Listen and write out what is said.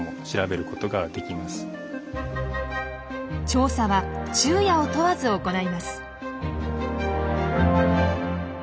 調査は昼夜を問わず行います。